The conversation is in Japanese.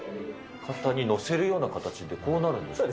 肩にのせるような形で、こうなるんですね。